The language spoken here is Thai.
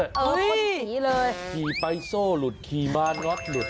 เอ้ยปุดฤทธิ์เลยคี่ไปซ่อหลุดขี่บ้านน็อดหลุด